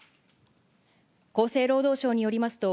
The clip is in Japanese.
厚生労働省によりますと、